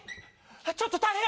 ちょっと大変。